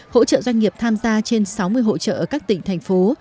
hỗ trợ doanh nghiệp tham gia trên sáu mươi hộ trợ ở các tỉnh thành phố